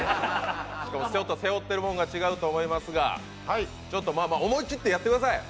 しかもちょっと背負ってるもんが違うと思いますが、思い切ってやってください。